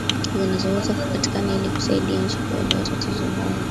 zinazoweza kupatikana ili kusaidia nchi kuelewa tatizo lao la